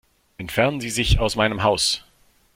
Entfernen Sie sich aus meinem Haus.